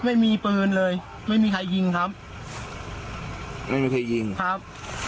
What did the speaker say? ไม่มีปืนเลยไม่มีใครยิงครับไม่มีใครยิงครับ